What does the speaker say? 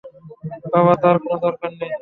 বাবা, তার কোন দরকার নেই।